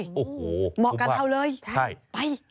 โหโหโหเหมาะกันเขาเลยครับ